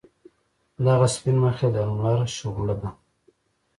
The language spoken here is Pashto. دغه سپین مخ یې د لمر شعله ده.